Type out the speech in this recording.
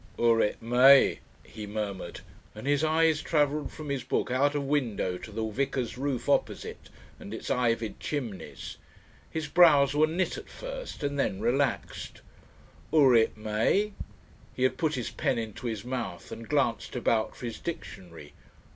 "Urit me," he murmured, and his eyes travelled from his book out of window to the vicar's roof opposite and its ivied chimneys. His brows were knit at first and then relaxed. "Urit me!" He had put his pen into his mouth and glanced about for his dictionary.